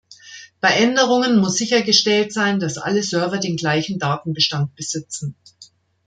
Bei Änderungen muss sichergestellt sein, dass alle Server den gleichen Datenbestand besitzen.